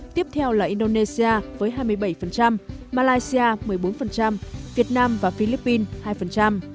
tiếp theo là indonesia với hai mươi bảy malaysia một mươi bốn việt nam và philippines hai